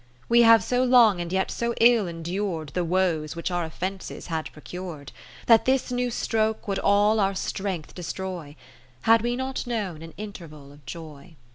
We have so long and yet so ill en dur'd The woes which our offences had procur'd, That this new stroke would all our strength destroy, Had we not known an interval of Joy.